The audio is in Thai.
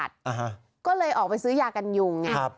อ่าฮะก็เลยออกไปซื้อยากันยุงไงครับ